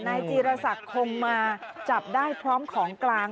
จีรศักดิ์คงมาจับได้พร้อมของกลาง